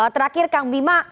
terakhir kang bima